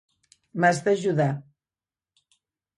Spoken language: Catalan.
M'has d'ajudar.